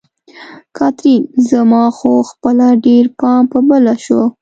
کاترین: زما خو خپله ډېر پام په بله شو.